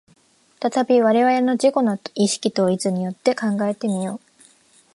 再び我々の自己の意識統一によって考えて見よう。